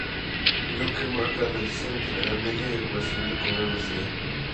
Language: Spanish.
Yourcenar marca la transición entre la Edad Media y el Renacimiento con gran maestría.